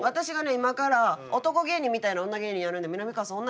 今から男芸人みたいな女芸人やるんでみなみかわさん女